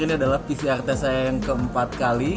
ini adalah pcr test saya yang keempat kali